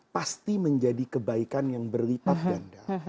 pasti menjadi kebaikan yang berlipat ganda